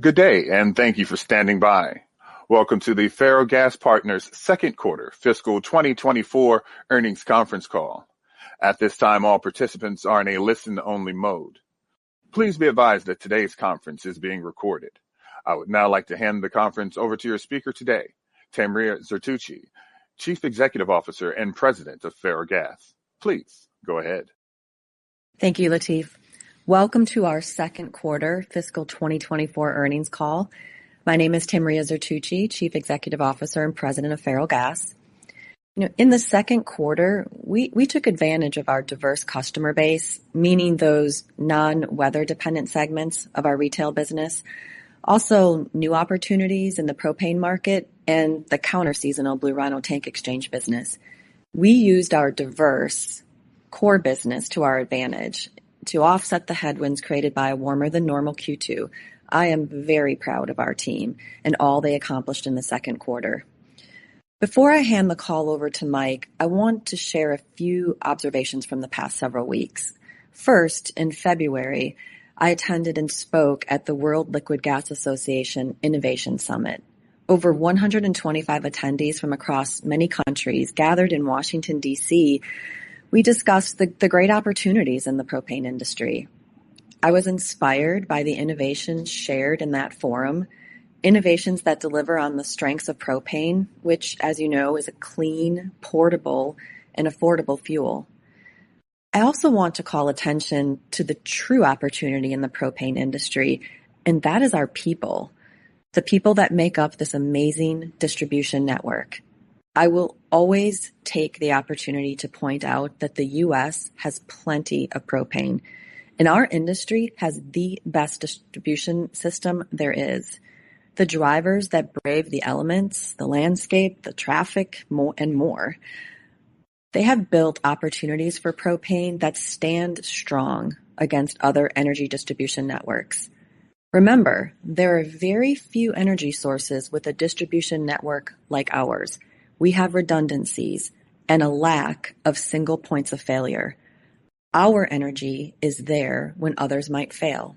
Good day, and thank you for standing by. Welcome to the Ferrellgas Partners' second quarter fiscal 2024 earnings conference call. At this time, all participants are in a listen-only mode. Please be advised that today's conference is being recorded. I would now like to hand the conference over to your speaker today, Tamria Zertuche, Chief Executive Officer and President of Ferrellgas. Please go ahead. Thank you, Latif. Welcome to our second quarter fiscal 2024 earnings call. My name is Tamria Zertuche, Chief Executive Officer and President of Ferrellgas. In the second quarter, we took advantage of our diverse customer base, meaning those non-weather-dependent segments of our retail business, also new opportunities in the propane market and the counter-seasonal Blue Rhino tank exchange business. We used our diverse core business to our advantage to offset the headwinds created by a warmer-than-normal Q2. I am very proud of our team and all they accomplished in the second quarter. Before I hand the call over to Mike, I want to share a few observations from the past several weeks. First, in February, I attended and spoke at the World Liquid Gas Association Innovation Summit. Over 125 attendees from across many countries gathered in Washington, D.C. We discussed the great opportunities in the propane industry. I was inspired by the innovations shared in that forum, innovations that deliver on the strengths of propane, which, as you know, is a clean, portable, and affordable fuel. I also want to call attention to the true opportunity in the propane industry, and that is our people, the people that make up this amazing distribution network. I will always take the opportunity to point out that the U.S. has plenty of propane, and our industry has the best distribution system there is, the drivers that brave the elements, the landscape, the traffic, and more. They have built opportunities for propane that stand strong against other energy distribution networks. Remember, there are very few energy sources with a distribution network like ours. We have redundancies and a lack of single points of failure. Our energy is there when others might fail.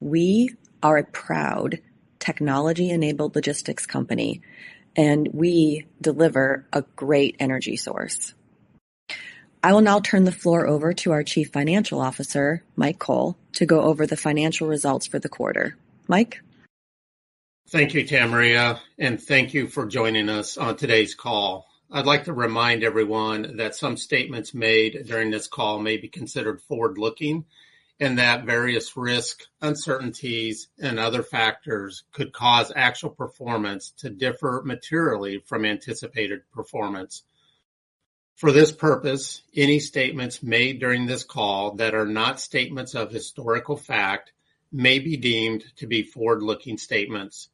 We are a proud technology-enabled logistics company, and we deliver a great energy source. I will now turn the floor over to our Chief Financial Officer, Mike Cole, to go over the financial results for the quarter. Mike? Thank you, Tamria, and thank you for joining us on today's call. I'd like to remind everyone that some statements made during this call may be considered forward-looking and that various risks, uncertainties, and other factors could cause actual performance to differ materially from anticipated performance. For this purpose, any statements made during this call that are not statements of historical fact may be deemed to be forward-looking statements.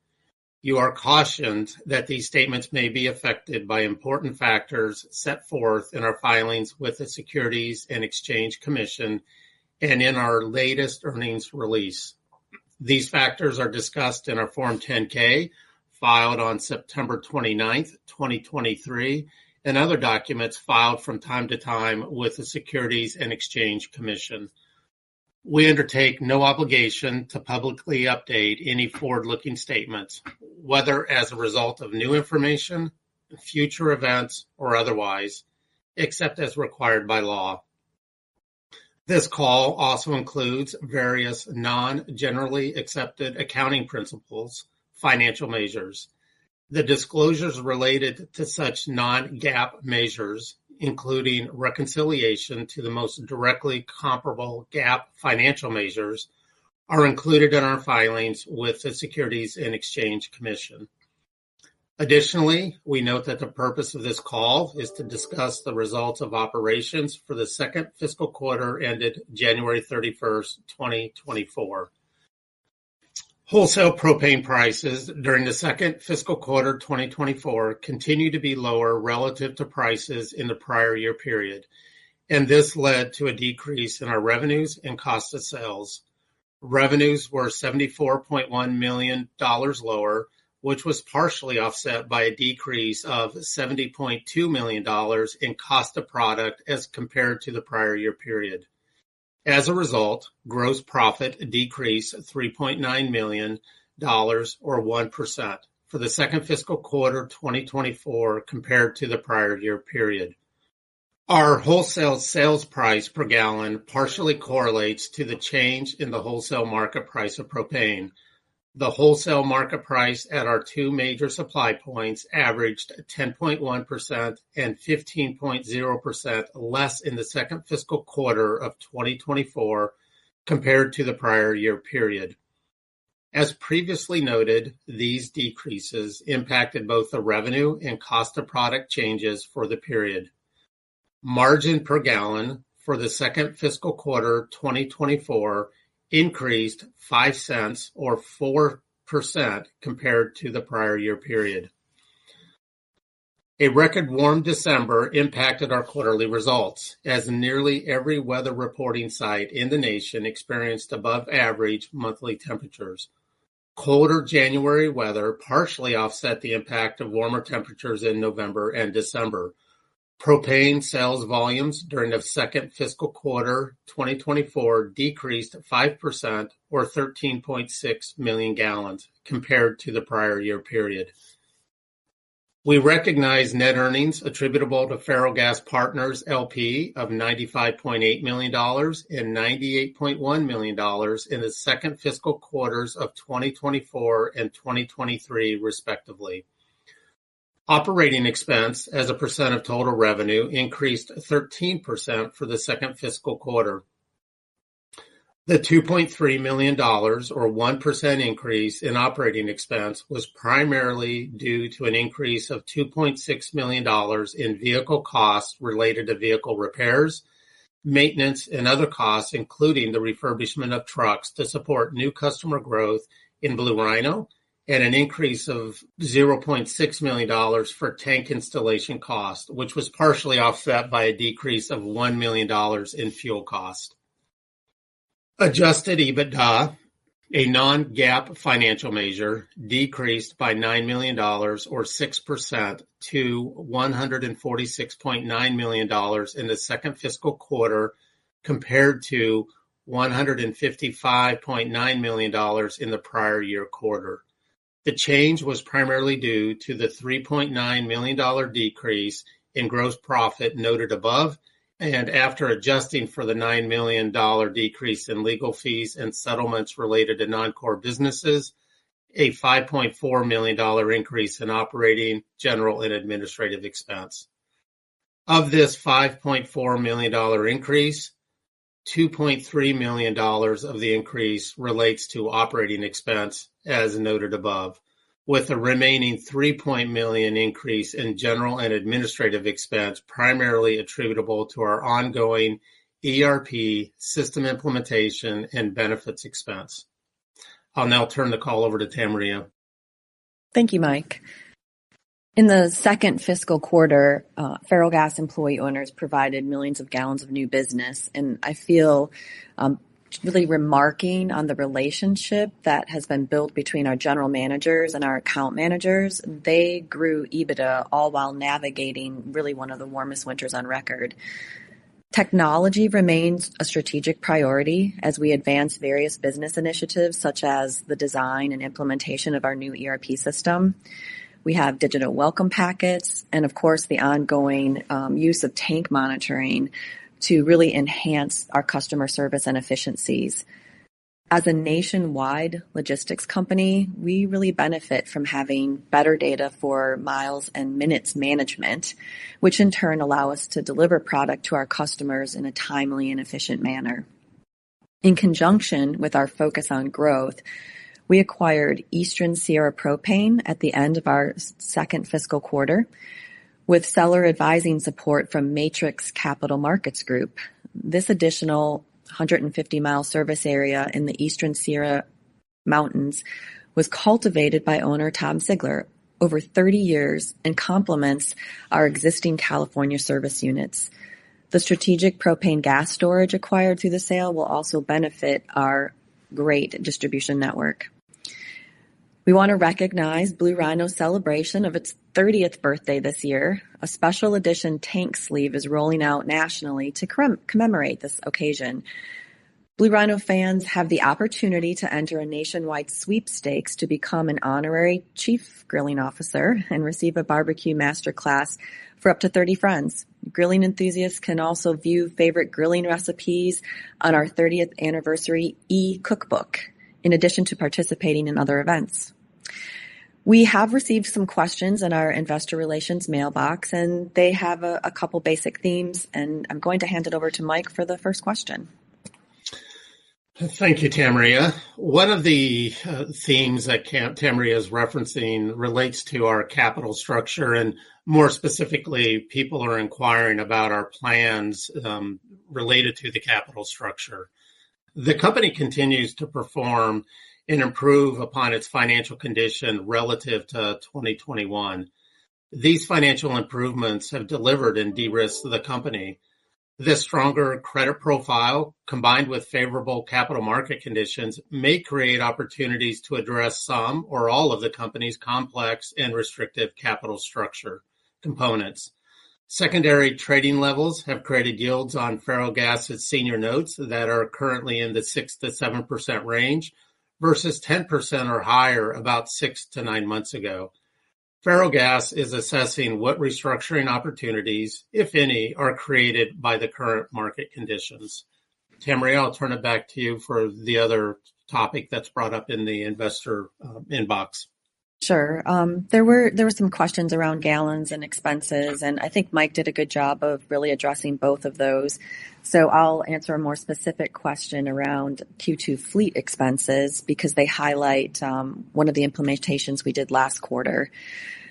You are cautioned that these statements may be affected by important factors set forth in our filings with the Securities and Exchange Commission and in our latest earnings release. These factors are discussed in our Form 10-K filed on September 29, 2023, and other documents filed from time to time with the Securities and Exchange Commission. We undertake no obligation to publicly update any forward-looking statements, whether as a result of new information, future events, or otherwise, except as required by law. This call also includes various non-GAAP financial measures. The disclosures related to such non-GAAP measures, including reconciliation to the most directly comparable GAAP financial measures, are included in our filings with the Securities and Exchange Commission. Additionally, we note that the purpose of this call is to discuss the results of operations for the second fiscal quarter ended January 31, 2024. Wholesale propane prices during the second fiscal quarter 2024 continued to be lower relative to prices in the prior year period, and this led to a decrease in our revenues and cost of sales. Revenues were $74.1 million lower, which was partially offset by a decrease of $70.2 million in cost of product as compared to the prior year period. As a result, gross profit decreased $3.9 million or 1% for the second fiscal quarter 2024 compared to the prior year period. Our wholesale sales price per gallon partially correlates to the change in the wholesale market price of propane. The wholesale market price at our two major supply points averaged 10.1% and 15.0% less in the second fiscal quarter of 2024 compared to the prior year period. As previously noted, these decreases impacted both the revenue and cost of product changes for the period. Margin per gallon for the second fiscal quarter 2024 increased $0.05 or 4% compared to the prior year period. A record warm December impacted our quarterly results, as nearly every weather reporting site in the nation experienced above-average monthly temperatures. Colder January weather partially offset the impact of warmer temperatures in November and December. Propane sales volumes during the second fiscal quarter 2024 decreased 5% or 13.6 million gallons compared to the prior year period. We recognize net earnings attributable to Ferrellgas Partners, L.P. of $95.8 million and $98.1 million in the second fiscal quarters of 2024 and 2023, respectively. Operating expense, as a percent of total revenue, increased 13% for the second fiscal quarter. The $2.3 million or 1% increase in operating expense was primarily due to an increase of $2.6 million in vehicle costs related to vehicle repairs, maintenance, and other costs, including the refurbishment of trucks to support new customer growth in Blue Rhino, and an increase of $0.6 million for tank installation cost, which was partially offset by a decrease of $1 million in fuel cost. Adjusted EBITDA, a non-GAAP financial measure, decreased by $9 million or 6% to $146.9 million in the second fiscal quarter compared to $155.9 million in the prior year quarter. The change was primarily due to the $3.9 million decrease in gross profit noted above, and after adjusting for the $9 million decrease in legal fees and settlements related to non-core businesses, a $5.4 million increase in operating general and administrative expense. Of this $5.4 million increase, $2.3 million of the increase relates to operating expense, as noted above, with a remaining $3.0 million increase in general and administrative expense primarily attributable to our ongoing ERP system implementation and benefits expense. I'll now turn the call over to Tamria. Thank you, Mike. In the second fiscal quarter, Ferrellgas employee owners provided millions of gallons of new business, and I feel really remarking on the relationship that has been built between our general managers and our account managers. They grew EBITDA all while navigating really one of the warmest winters on record. Technology remains a strategic priority as we advance various business initiatives such as the design and implementation of our new ERP system. We have digital welcome packets and, of course, the ongoing use of tank monitoring to really enhance our customer service and efficiencies. As a nationwide logistics company, we really benefit from having better data for miles and minutes management, which in turn allow us to deliver product to our customers in a timely and efficient manner. In conjunction with our focus on growth, we acquired Eastern Sierra Propane at the end of our second fiscal quarter with seller advising support from Matrix Capital Markets Group. This additional 150-mile service area in the Eastern Sierra Mountains was cultivated by owner Tom Sigler over 30 years and complements our existing California service units. The strategic propane gas storage acquired through the sale will also benefit our great distribution network. We want to recognize Blue Rhino's celebration of its 30th birthday this year. A special edition tank sleeve is rolling out nationally to commemorate this occasion. Blue Rhino fans have the opportunity to enter a nationwide sweepstakes to become an honorary Chief Grilling Officer and receive a barbecue masterclass for up to 30 friends. Grilling enthusiasts can also view favorite grilling recipes on our 30th anniversary e-cookbook, in addition to participating in other events. We have received some questions in our investor relations mailbox, and they have a couple of basic themes, and I'm going to hand it over to Mike for the first question. Thank you, Tamria. One of the themes that Tamria is referencing relates to our capital structure, and more specifically, people are inquiring about our plans related to the capital structure. The company continues to perform and improve upon its financial condition relative to 2021. These financial improvements have delivered and de-risked the company. This stronger credit profile, combined with favorable capital market conditions, may create opportunities to address some or all of the company's complex and restrictive capital structure components. Secondary trading levels have created yields on Ferrellgas' senior notes that are currently in the 6%-7% range versus 10% or higher about 6-9 months ago. Ferrellgas is assessing what restructuring opportunities, if any, are created by the current market conditions. Tamria, I'll turn it back to you for the other topic that's brought up in the investor inbox. Sure. There were some questions around gallons and expenses, and I think Mike did a good job of really addressing both of those. So I'll answer a more specific question around Q2 fleet expenses because they highlight one of the implementations we did last quarter.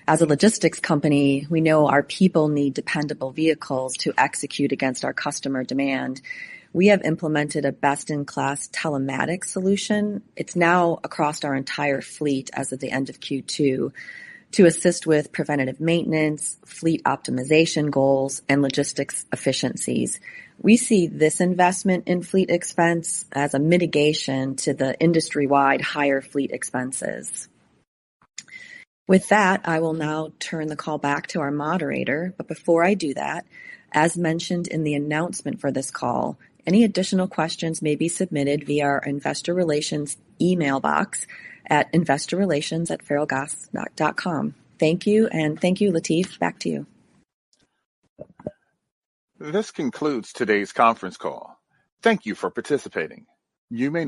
As a logistics company, we know our people need dependable vehicles to execute against our customer demand. We have implemented a best-in-class telematics solution. It's now across our entire fleet as of the end of Q2 to assist with preventative maintenance, fleet optimization goals, and logistics efficiencies. We see this investment in fleet expense as a mitigation to the industry-wide higher fleet expenses. With that, I will now turn the call back to our moderator. But before I do that, as mentioned in the announcement for this call, any additional questions may be submitted via our investor relations emailbox at investorrelations@ferrellgas.com. Thank you, and thank you, Latif. Back to you. This concludes today's conference call. Thank you for participating. You may.